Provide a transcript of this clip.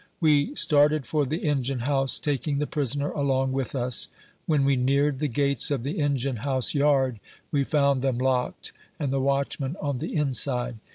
We started for the engine house, taking the prisoner along with us. When we neared the gates of the engine house yard, we found them locked, and the watchman on the inside.